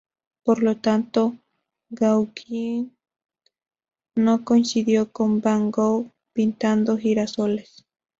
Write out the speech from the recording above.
Por lo tanto, Gauguin no coincidió con van Gogh pintando girasoles.